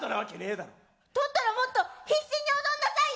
だったらもっと必死に踊んなさいよ！